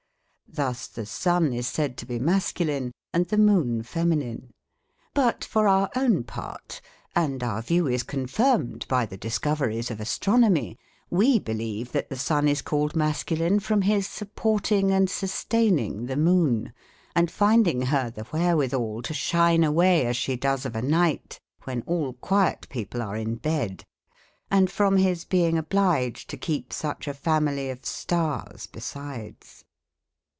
Thus the sun is said to be masculine, and the moon feminine. But for our own part, and our view is confirmed by the discoveries of astronomy, we believe that the sun is called masculine from his supporting and sustaining the " Shan't I Bhiae to uight, doai V S2 THE COMIC ENGLISH GRAMMAR. moon, and finding her the wherewithal to shine away as she does of a night, when all quiet people are in bed; and from his being obliged to keep such a family of stars besides.